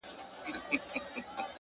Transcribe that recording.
هوډ د ستړیا غږ کمزوری کوي.